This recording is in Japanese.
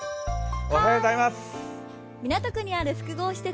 港区にある複合施設